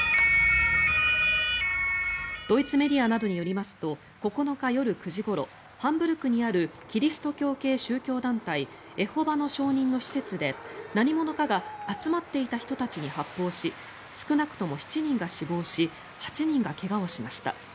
ドイツメディアなどによりますと９日夜９時ごろハンブルクにあるキリスト教系宗教団体エホバの証人の施設で、何者かが集まっていた人たちに発砲し少なくとも７人が死亡し８人が怪我をしました。